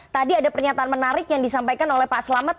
tadi ada pernyataan menarik yang disampaikan oleh pak selamat